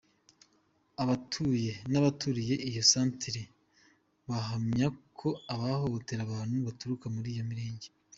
Abatuye n’abaturiye iyo santere bahamya ko abahohotera abantu baturuka muri iyo mirenge.